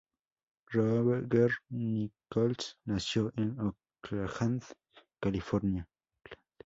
Roger Nichols nació en Oakland, California.